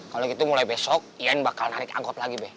kalau gitu mulai besok yen bakal narik angkot lagi deh